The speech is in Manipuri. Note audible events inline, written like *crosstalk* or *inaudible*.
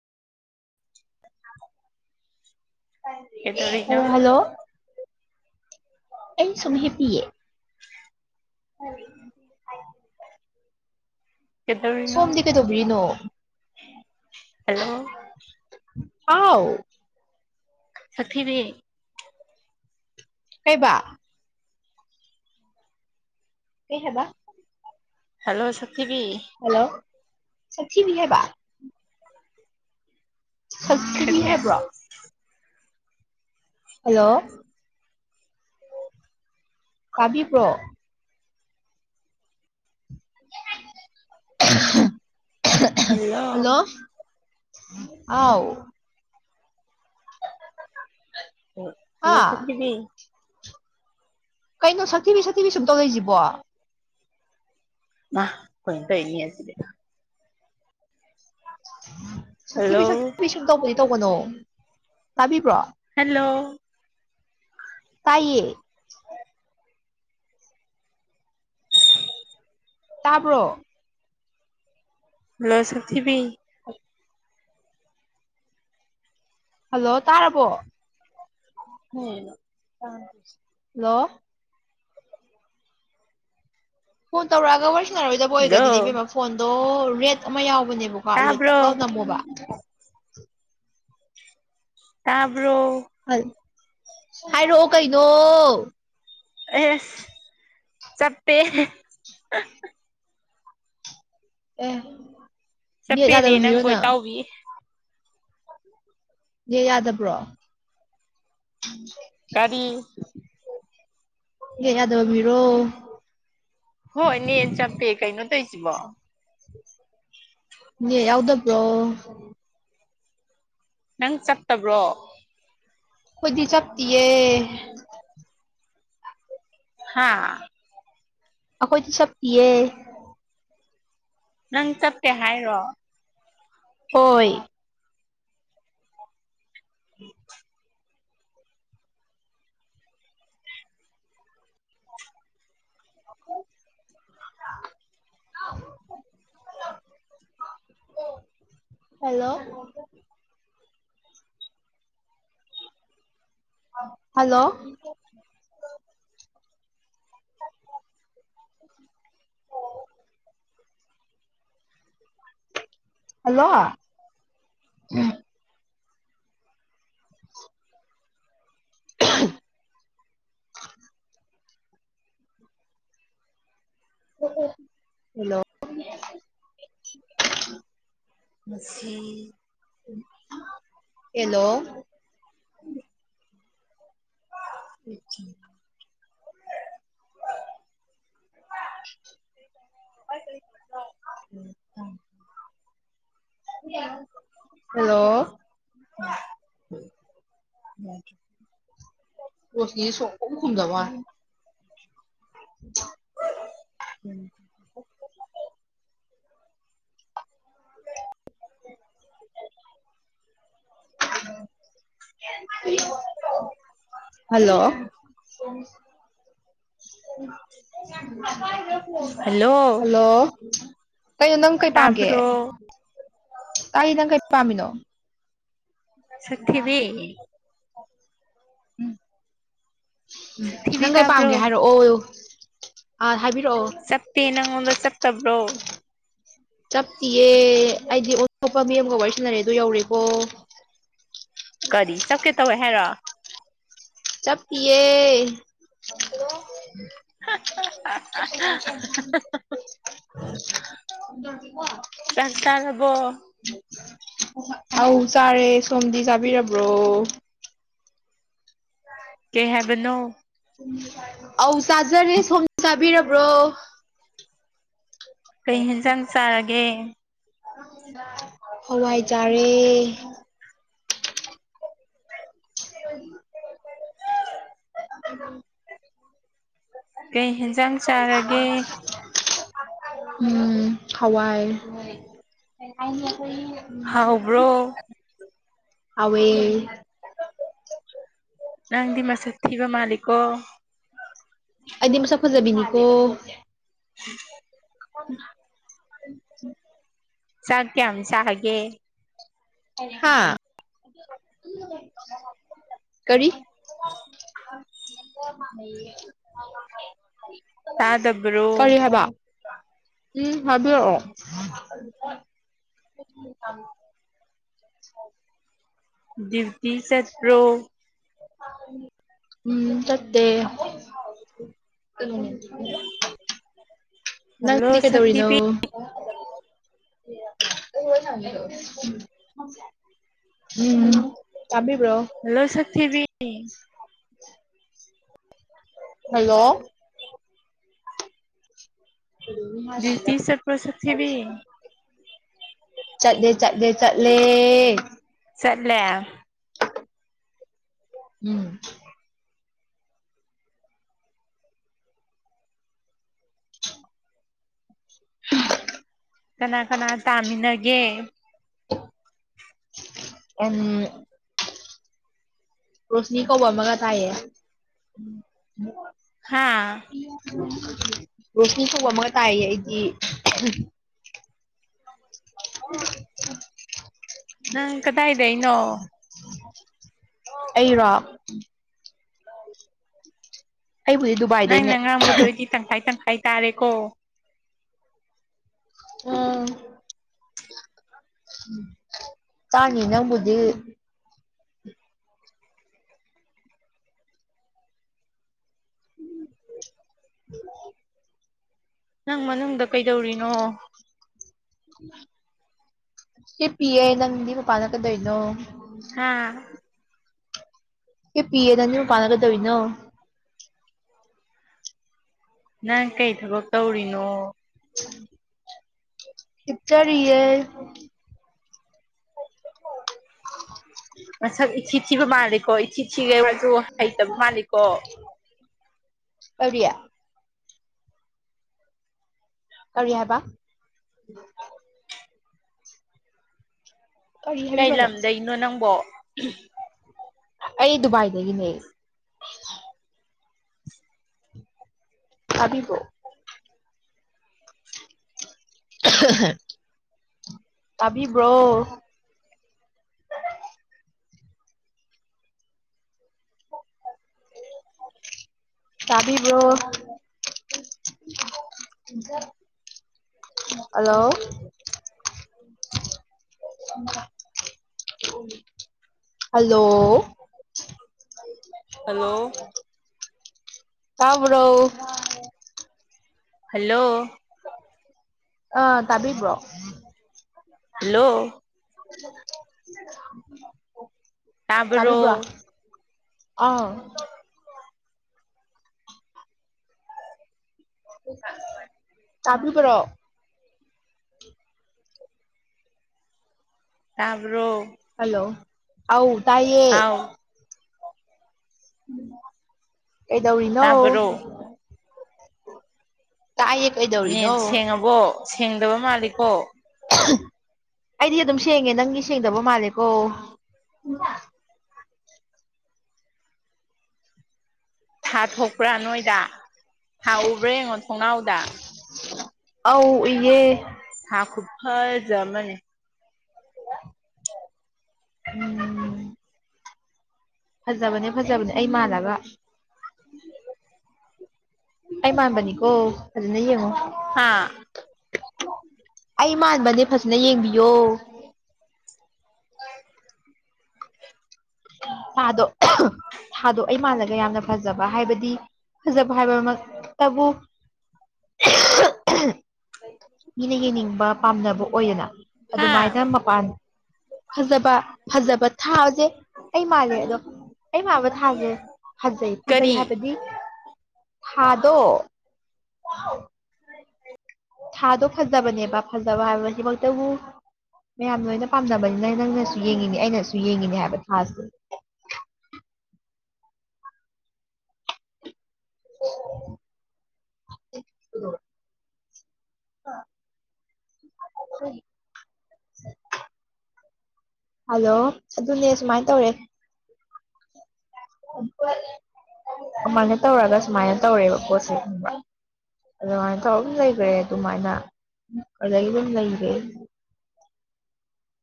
*unintelligible* ꯀꯇ ꯑꯣꯏꯔꯅꯣ ꯍꯜꯂꯣ ꯍꯜꯂꯣ ꯑꯩ ꯁꯍꯦ ꯄꯌꯦ ꯎꯝ ꯁꯣꯝꯗꯤꯀ ꯇꯣꯧꯕꯔꯤꯅꯣ ꯍꯂꯣ ꯑꯥꯎ ꯁꯊꯤꯗꯤ ꯀꯩꯕꯥ ꯀ ꯍꯥꯏꯦꯕ ꯍꯜꯂꯣ ꯁꯇꯤꯕꯤ ꯁꯊꯤ ꯃꯤꯦꯕ ꯁꯛꯕꯤ ꯀꯔꯤ ꯍꯥꯏꯕ꯭ꯔꯣ ꯍꯜꯂꯣ ꯇꯥꯕꯤꯕ꯭ꯔꯣ ꯍꯜꯂꯣ ꯑꯥꯎ *unintelligible* ꯑꯣ ꯍꯥ ꯂ ꯁꯀꯤꯕꯤ ꯀꯩꯅꯣ ꯁꯥꯊꯤꯕꯤ ꯁꯥꯊꯤꯕꯤ ꯁꯨꯝꯇꯧ ꯂꯩꯁꯤꯕꯣ ꯀꯣꯏ ꯇ ꯑꯦꯅꯤ ꯑꯁꯦ ꯍꯜꯂꯣ ꯁꯛꯇꯤꯕꯤ ꯁꯛꯇꯤꯕꯤ ꯁꯨꯡ ꯇꯧꯕꯗꯤ ꯇꯧꯕꯅꯣ ꯇꯥꯕꯤꯕ꯭ꯔꯣ ꯍꯂꯣ ꯇꯥꯏꯌꯦ ꯇꯥꯕ꯭ꯔꯣ ꯂꯂ ꯁ ꯊꯕꯤ ꯍꯣꯏ ꯍꯜꯂꯣ ꯇꯥꯔꯕꯣ ꯎꯝ ꯀꯥꯡ ꯍꯜꯂꯣ ꯐꯣꯟ ꯇꯧꯔꯛꯑꯒ ꯋꯥꯔꯤꯔꯁꯤꯟꯅꯔꯣꯏꯗꯕ ꯑꯣꯏꯒꯗꯤ ꯏꯕꯦꯝꯃ ꯐꯣꯟꯗꯣ ꯔꯦꯠ ꯑꯃ ꯌꯥꯎꯕ ꯇꯅꯦꯕꯀꯣ ꯑꯗꯨꯗ ꯇꯛ ꯇꯥꯕ꯭ꯔꯣ ꯂꯧꯎ ꯇꯝꯃꯣꯕ ꯀ ꯍꯥꯏꯔꯛꯑꯣ ꯀꯩꯅꯣ ꯑꯦ ꯆꯞꯇꯦ ꯑꯦ ꯃꯤꯠ ꯆꯞꯄꯦꯅꯦ ꯌꯥꯗꯕ ꯅꯪꯕꯣ ꯃꯤꯔꯣꯅ ꯏꯇꯥꯎꯕꯤ ꯑꯦ ꯌꯥꯗꯕ꯭ꯔꯣ ꯀꯔꯤ ꯀ ꯌꯥꯗꯕꯤꯔꯣ ꯍꯣꯏ ꯅ ꯆꯄꯦ ꯀꯩ ꯅꯠꯇ ꯏꯁꯤ ꯌꯥꯎꯗꯣ ꯄ꯭ꯔꯣ ꯅꯪ ꯆꯠꯇꯕ꯭ꯔꯣ ꯈꯣꯏꯗꯤ ꯆꯞꯇꯌꯦ ꯍꯥꯥ ꯑꯩꯈꯣꯏ ꯇ ꯁ ꯄꯌꯦ ꯅꯪ ꯆꯠꯀꯦ ꯍꯥꯏꯔꯣ ꯑꯣꯏ ꯎꯝ *unintelligible* *unintelligible* ꯍꯜꯂꯣ ꯍꯜꯂꯣ ꯑꯣ ꯍꯜꯂꯣ *unintelligible* ꯍꯜꯂꯣ ꯃꯁꯤ ꯍꯂꯣ *unintelligible* ꯎ ꯊ ꯍꯜꯂꯣ ꯎ ꯎꯝ ꯔꯁ ꯁꯣ ꯁꯟꯖꯕꯦ *inaudible* ꯍꯜꯂꯣ ꯍꯜꯂꯣ ꯀꯩꯅꯣ ꯅꯪ ꯀꯩ ꯄꯥꯝꯒꯦ ꯇꯥꯕ꯭ꯔꯣ ꯇꯥꯏꯏ ꯅꯪ ꯀꯩ ꯄꯥꯝꯃꯤꯅꯣ ꯁꯊꯕꯤ ꯎꯝ ꯎꯝ ꯁꯛꯊꯤꯕꯤ ꯅꯪ ꯀꯩ ꯇꯥꯕ꯭ꯔꯣ ꯄꯥꯝꯒꯦ ꯍꯥꯏꯔꯛꯑꯣ ꯍꯕꯤ ꯆꯛꯇꯄꯤ ꯅꯪꯣꯟꯗ ꯆꯛꯇꯕ꯭ꯔꯣ ꯆꯞꯇꯤꯌꯦ ꯑꯩꯗꯤ ꯑꯣꯇꯣꯞꯄ ꯃꯤ ꯑꯃꯒ ꯋꯥꯔꯤꯁꯤꯟꯅꯔꯦ ꯑꯗꯨ ꯌꯧꯔꯦꯀꯣ ꯀꯔꯤ ꯁ ꯀꯦ ꯇꯋ ꯍꯦꯔ ꯆꯞꯄꯤꯦ *inaudible* ꯗ ꯆꯥꯛ ꯆꯥꯔꯕꯣ ꯀ ꯑ ꯆꯥꯔꯦ ꯁꯣꯝꯗꯤ ꯆꯥꯕꯤꯔꯕ꯭ꯔꯣ ꯀꯍꯦꯕꯅꯣ ꯑꯧ ꯆꯥꯖꯔꯦ ꯁꯣꯝꯅ ꯆꯥꯕꯤꯔꯕ꯭ꯔꯣ ꯀꯩ ꯌꯦꯟꯖꯥꯡ ꯆꯥꯔꯒꯦ ꯍꯋꯥꯏꯖꯥꯔꯦ *inaudible* ꯎꯝꯝ ꯀꯩ ꯍꯖꯥꯡ *inaudible* ꯎꯝ ꯈꯋꯥꯥꯏ ꯍꯥꯎꯕ꯭ꯔꯣ ꯍꯥꯎ ꯅꯪꯗꯤ ꯃꯁꯛ ꯊꯤꯕ ꯃꯥꯜꯂꯤꯀꯣ ꯑꯩꯗꯤ ꯃꯁꯛ ꯐꯖꯕꯤꯅꯤꯀꯣ ꯎꯝ ꯆꯇꯝ ꯆ ꯍꯥꯏꯦ ꯑꯥ ꯀꯔꯤ ꯆꯥꯗꯕ꯭ꯔꯣ ꯀꯍꯕ ꯎꯝ ꯍꯥꯏꯕꯤ *inaudible* ꯗꯞꯇ ꯁꯠꯄ꯭ꯔꯣ ꯎꯝ ꯆꯠꯇ ꯎ ꯍꯜꯂꯣ ꯁꯊꯤꯕꯤ ꯎꯝ ꯆꯥꯕꯤꯕ꯭ꯔꯣ ꯄ꯭ꯊꯤꯕꯤꯤ ꯍꯜꯂꯣ ꯇ ꯆꯠ ꯄꯣꯁꯛ ꯊꯤꯕꯤ ꯆꯠꯂꯦ ꯆꯠꯂꯦ ꯆꯠꯂꯦ ꯆꯠꯂ ꯎꯝ *inaudible* ꯀꯅꯥ ꯀꯅꯥ ꯇꯥꯃꯤꯟꯅꯒꯦ ꯑ ꯔꯣꯁꯅꯤ ꯀꯧꯕ ꯑꯃꯒ ꯇꯥꯏꯌꯦ ꯍꯥ ꯎ *unintelligible* *inaudible* ꯔꯣꯁꯅꯤ ꯇꯧꯕ ꯑꯃ ꯇꯥꯏꯌꯦ ꯑꯩꯗꯤ ꯍ *unintelligible* *inaudible* ꯅꯪ ꯀꯗꯥ ꯏꯗꯦ ꯏꯩꯅꯣ ꯑꯩꯔ ꯑꯩꯕꯨꯗꯤ ꯅꯪ ꯗꯨꯕꯥꯏꯗꯩꯅꯦ ꯅ ꯉꯥꯡꯝꯕꯗꯣ ꯑꯩꯗꯤ ꯇꯪꯈꯥꯏ ꯇꯪꯈꯥꯏ ꯇꯥꯔꯦꯀꯣ ꯑꯝ ꯇꯥꯟ ꯏꯅꯕꯨꯗ ꯎꯝ ꯅꯪ ꯃꯅꯨꯡꯗ ꯀꯩꯗꯧꯔꯤꯅꯣ ꯀ ꯄꯤꯌꯦ ꯅꯪꯗꯤ ꯃꯄꯥꯅ ꯀꯩꯗꯣꯏꯅꯣ ꯍꯥꯥ ꯀ ꯄꯤꯌꯦ ꯅꯅꯤꯕꯨ ꯄꯅꯒꯗꯧꯅꯣ ꯅꯪ ꯀꯩ ꯊꯕꯛ ꯇꯧꯔꯤꯅꯣ ꯏꯆꯔꯤꯑ *unintelligible* *inaudible* ꯃꯁꯛ ꯏꯊꯤ ꯊꯤꯕ ꯃꯥꯜꯂꯤꯀꯣ ꯏꯆꯤ ꯊꯤꯈꯩ ꯋꯥꯁꯨ ꯍꯩꯇꯕ ꯃꯥꯜꯂꯤꯀꯣ ꯑꯣꯏꯔꯤꯌꯥ ꯀꯔꯤ ꯍꯥꯏ ꯍꯥꯏꯕ ꯀꯔꯤ ꯀꯩ ꯍꯥꯏꯕꯤꯕꯅꯣ ꯂꯝꯗꯅꯣ ꯅꯪꯕꯣ ꯑꯩ ꯗꯨꯕꯥꯏꯗꯒꯤꯅꯦ ꯊꯕꯤꯕ ꯇꯕꯤꯕ꯭ꯔꯣ *unintelligible* *inaudible* ꯇꯕꯤꯕ꯭ꯔꯣ ꯍꯜꯂꯣ ꯍꯜꯂꯣ ꯍꯂꯣ ꯇꯥꯕ꯭ꯔꯣ ꯍꯜꯂꯣ ꯑ ꯇꯥꯕꯤꯕ꯭ꯔꯣ ꯍꯜꯂꯣ *unintelligible* *inaudible* ꯇꯕ꯭ꯔꯣ ꯇꯥꯕꯤꯕ꯭ꯔꯣ ꯑꯥ ꯇꯥꯕꯤꯄ꯭ꯔꯣ ꯇꯞ꯭ꯔꯣ ꯍꯜꯂꯣ ꯑꯥꯎ ꯇꯥꯏꯌꯦ ꯍꯥꯎ ꯀꯩꯗꯧꯔꯤꯅꯣ ꯇꯥꯕ꯭ꯔꯣ ꯇꯥꯏꯌꯦ ꯀꯩꯗꯧꯔꯤꯅꯣ ꯅꯦꯠ ꯁꯦꯡꯉꯕꯣ ꯁꯦꯡꯗꯕ ꯃꯥꯜꯂꯤꯀꯣ ꯑꯩꯗꯤ ꯑꯗꯨꯝ ꯁꯦꯡꯉꯦ ꯅꯪꯒꯤ ꯁꯦꯡꯗꯕ ꯃꯥꯜꯂꯦꯀꯣ ꯊꯥ ꯊꯣꯛꯄ꯭ꯔꯥ ꯅꯣꯏꯗ ꯊꯥ ꯎꯕ꯭ꯔꯥ ꯌꯦꯡꯉꯣ ꯊꯣꯡꯅꯥꯎꯗ ꯑꯥꯎ ꯏꯦ ꯍꯥꯥ ꯈꯨꯖꯝꯅꯤ ꯎꯝ ꯐꯖꯕꯅꯦ ꯐꯖꯕꯅꯦ ꯑꯩ ꯃꯥꯜꯂꯒ ꯑꯩꯩꯃꯥꯟꯕꯅꯤꯀꯣ ꯐꯖꯅ ꯌꯦꯡꯉꯣ ꯍꯥꯥ ꯑꯩ ꯃꯥꯟꯕꯅꯦ ꯐꯖꯅ ꯌꯦꯡꯕꯤꯌꯣ ꯑ ꯑꯗꯣ ꯊꯥꯗꯣ ꯑꯩ ꯃꯥꯜꯂꯒ ꯌꯥꯝꯅ ꯐꯖꯕ ꯍꯥꯏꯕꯗꯤ ꯐꯖꯕ ꯍꯥꯏꯕꯃꯛꯇꯕꯨ *unintelligible* ꯃꯤꯅ ꯌꯦꯡꯅꯤꯡꯕ ꯄꯥꯝꯅꯕ ꯑꯣꯏꯌꯦꯅ ꯍꯥ ꯑꯗꯨꯃꯥꯏꯅ ꯃꯄꯥꯟ ꯐꯖꯕ ꯐꯖꯕ ꯊꯥꯁꯦ ꯑꯩ ꯃꯥꯜꯂꯦ ꯑꯗꯣ ꯑꯩ ꯃꯥꯕ ꯊꯥꯁꯦ ꯐꯖꯩ ꯐꯖꯩ ꯀꯔꯤ ꯍꯥꯏꯕꯗꯤ ꯍꯥꯗꯣ ꯊꯥꯗꯣ ꯐꯖꯕꯅꯦꯕ ꯐꯖꯕ ꯍꯥꯏꯕꯁꯤꯃꯛꯇꯕꯨ ꯃꯌꯥꯝ ꯂꯣꯏꯅ ꯄꯥꯝꯅꯕꯅꯤꯅ ꯅꯪꯅꯁꯨ ꯌꯦꯡꯉꯤꯅꯦ ꯑꯩꯅꯁꯨ ꯌꯦꯡꯉꯤꯅꯦ ꯍꯥꯏꯕ ꯊꯥꯁꯦ ꯑ *inaudible* ꯎ *unintelligible* ꯑ ꯍꯜꯂꯣ ꯑꯗꯨꯅꯦ ꯁꯨꯃꯥꯏꯅ ꯇꯧꯔꯦ ꯑꯗꯨꯃꯥꯏꯅ ꯇꯧꯔꯒ ꯁꯨꯃꯥꯏꯅ ꯇꯧꯔꯦꯕ ꯄꯣꯠꯁꯦ ꯑꯗꯨꯃꯥꯏꯅ ꯇꯧꯔ ꯑꯗꯨꯝ ꯂꯩꯈ꯭ꯔꯦ ꯑꯗꯨꯃꯥꯏꯅ ꯑꯗꯨꯗꯒꯤ ꯑꯗꯨꯝ ꯂꯩꯈ꯭ꯔꯦ ꯑ *inaudible*